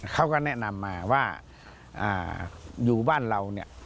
เขาก็แนะนำมาว่าอยู่บ้านเราเนี่ย